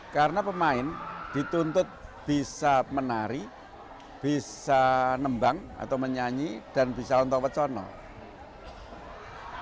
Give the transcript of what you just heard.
karena pemain dituntut bisa menari bisa nembang atau menyanyi dan bisa ontak ontak conel